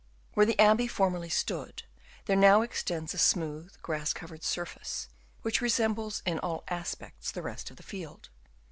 "Where the abbey formerly stood, there now extends a smooth grass covered surface, which resembles in all respects the rest of the field.